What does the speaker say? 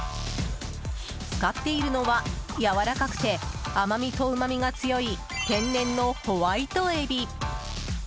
使っているのは、やわらかくて甘みとうまみが強い天然のホワイトエビ。